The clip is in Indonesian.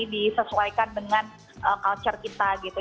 disesuaikan dengan culture kita gitu